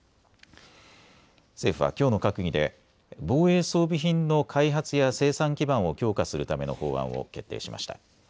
政府はきょうの閣議で防衛装備品の開発や生産基盤を強化するための法案を決定しました。